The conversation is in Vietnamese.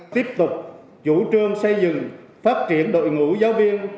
tiếp tục chủ trương xây dựng phát triển đội ngũ giáo viên